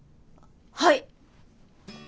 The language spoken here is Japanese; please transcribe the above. はい！